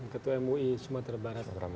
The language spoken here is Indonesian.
ketua mui sumatera barat